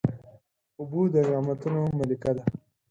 اوبه د نعمتونو ملکه ده.